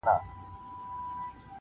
• په پردیو وزرونو ځي اسمان ته -